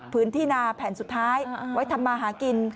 พื้นที่นาแผ่นสุดท้ายไว้ทำมาหากิน